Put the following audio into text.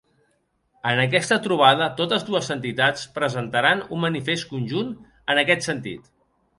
En aquesta trobada, totes dues entitats presentaran un manifest conjunt en aquest sentit.